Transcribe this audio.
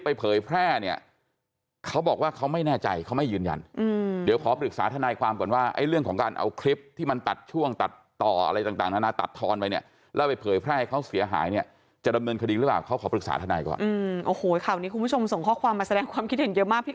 เผยแพร่เนี่ยเขาบอกว่าเขาไม่แน่ใจเขาไม่ยืนยันเดี๋ยวขอปรึกษาทนายความก่อนว่าไอ้เรื่องของการเอาคลิปที่มันตัดช่วงตัดต่ออะไรต่างนานาตัดทอนไว้เนี่ยแล้วไปเผยแพร่ให้เขาเสียหายเนี่ยจะดำเนินคดีหรือเปล่าเขาขอปรึกษาทนายก่อนอืมโอ้โหข่าวนี้คุณผู้ชมส่งข้อความมาแสดงความคิดเห็นเยอะมากพี่